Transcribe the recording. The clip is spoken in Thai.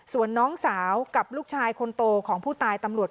ส่วนน้องสาวกับลูกชายคนโตของผู้ตายตำรวจ